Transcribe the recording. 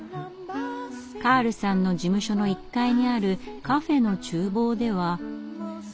カールさんの事務所の１階にあるカフェの厨房では。